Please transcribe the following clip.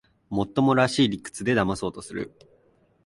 もっともらしい理屈でだまそうとする